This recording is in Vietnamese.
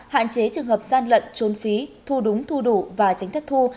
hạn chế trường hợp gian lận trốn phí thu đúng thu đủ và tránh thất thu